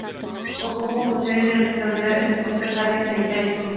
Ocupó funciones de responsabilidad en distintas áreas sanitarias.